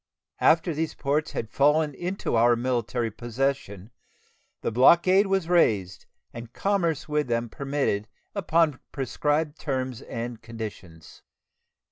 After these ports had fallen into our military possession the blockade was raised and commerce with them permitted upon prescribed terms and conditions.